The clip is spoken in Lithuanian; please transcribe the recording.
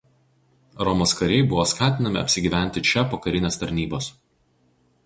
Romos kariai buvo skatinami apsigyventi čia po karinės tarnybos.